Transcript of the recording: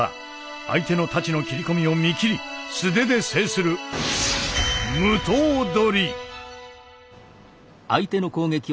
相手の太刀の斬り込みを見切り素手で制する無刀捕。